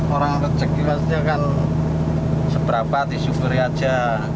orang rejeki maksudnya kan seberapa disyukuri aja